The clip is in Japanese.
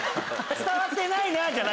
伝わってないな！